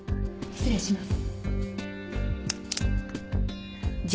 失礼します。